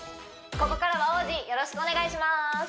ここからは王子よろしくお願いします